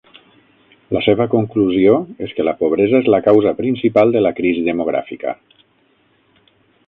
La seva conclusió és que la pobresa és la causa principal de la crisi demogràfica.